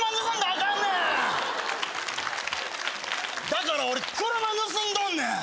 だから俺車盗んどんねん。